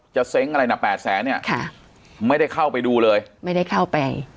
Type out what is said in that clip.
เซ้งอะไรนะแปดแสนเนี่ยค่ะไม่ได้เข้าไปดูเลยไม่ได้เข้าไป